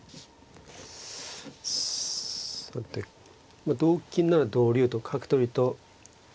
さて同金なら同竜と角取りと。